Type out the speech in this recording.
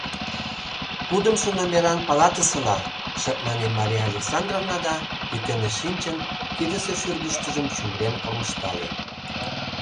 «Кудымшо номеран палатысыла», — шып мане Мария Александровна да, пӱкеныш шинчын, кидысе шӱргӱштышыжым чумырен кормыжтале.